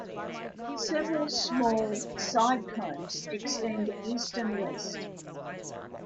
Several small side combes extend east and west.